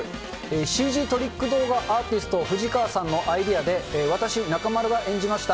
ＣＧトリック動画アーティスト、藤川さんのアイデアで、私、中丸が演じました